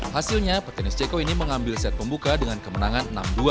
hasilnya petenis ceko ini mengambil set pembuka dengan kemenangan enam dua